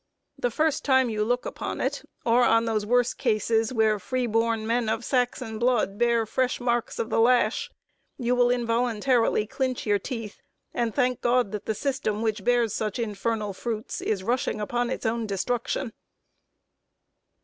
The first time you look upon it, or on those worse cases, where free born men of Saxon blood bear fresh marks of the lash, you will involuntarily clinch your teeth, and thank God that the system which bears such infernal fruits is rushing upon its own destruction.